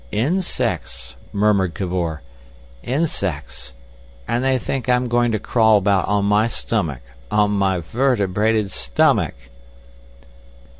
"Insects," murmured Cavor, "insects! And they think I'm going to crawl about on my stomach—on my vertebrated stomach!